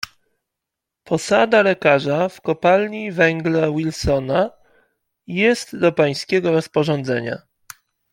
"Posada lekarza w kopalni węgla Wilsona jest do pańskiego rozporządzenia."